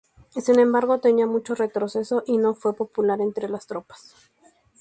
Sin embargo, tenía mucho retroceso y no fue popular entre las tropas.